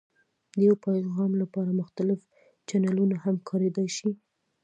د یو پیغام لپاره مختلف چینلونه هم کارېدای شي.